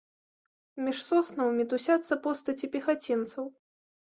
Між соснаў мітусяцца постаці пехацінцаў.